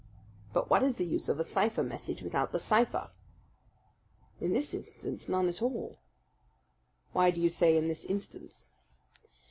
"But what is the use of a cipher message without the cipher?" "In this instance, none at all." "Why do you say 'in this instance'?"